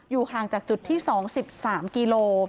ห่างจากจุดที่๒๓กิโล